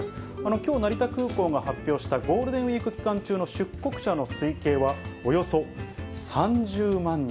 きょう、成田空港が発表したゴールデンウィーク期間中の出国者の推計は、およそ３０万人。